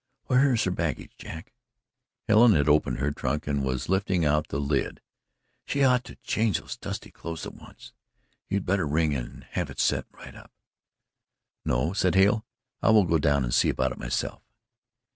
"Where is her baggage, Jack?" Helen had opened her trunk and was lifting out the lid. "She ought to change those dusty clothes at once. You'd better ring and have it sent right up." "No," said Hale, "I will go down and see about it myself."